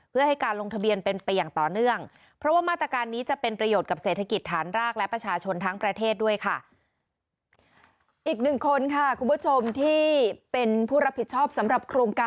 เพื่อให้การลงทะเบียนเป็นเปรียงต่อเนื่อง